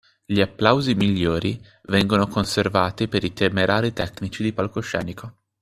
Gli applausi migliori vengono conservati per i temerari tecnici di palcoscenico